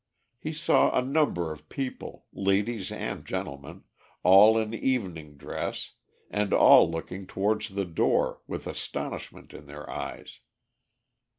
He saw a number of people, ladies and gentlemen, all in evening dress, and all looking towards the door, with astonishment in their eyes.